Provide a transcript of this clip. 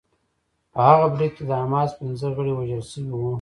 په هغه برید کې د حماس پنځه غړي وژل شوي وو